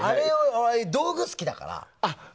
道具が好きだから。